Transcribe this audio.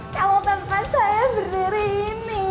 kalau tempat saya berdiri ini